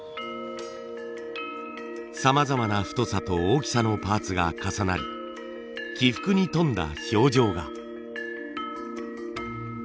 さまざまな太さと大きさのパーツが重なり起伏に富んだ表情が。